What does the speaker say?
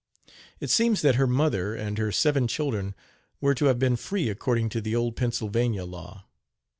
It seems that her mother and her seven children were to have been free according to the old Pennsylvania law.